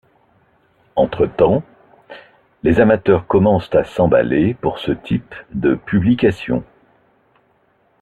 Entre-temps, les amateurs commencent à s'emballer pour ce type de publication.